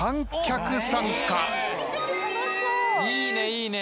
いいねいいね。